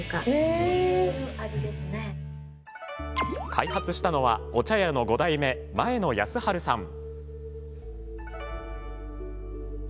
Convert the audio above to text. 開発したのは、お茶屋の５代目前野安治さん。